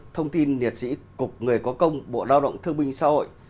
thông tin liệt sĩ cục người có công bộ lao động thương minh xã hội